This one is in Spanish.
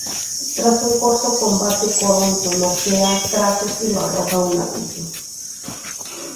Tras un corto combate, Caronte noquea a Kratos y lo arroja a un abismo.